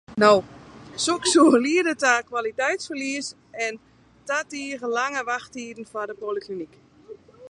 Soks soe liede ta kwaliteitsferlies en ta tige lange wachttiden foar de polyklinyk.